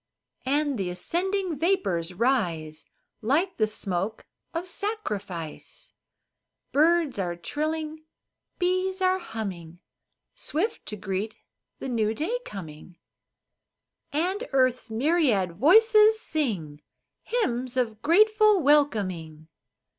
And the ascending vapors rise Like the smoke of sacrifice. Birds are trilling, bees are humming, Swift to greet the new day coming, And earth's myriad voices sing Hymns of grateful welcoming.